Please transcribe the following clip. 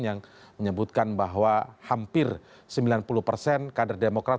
yang menyebutkan bahwa hampir sembilan puluh persen kader demokrat